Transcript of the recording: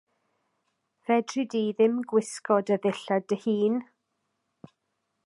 Fedri di ddim gwisgo dy ddillad dy hun?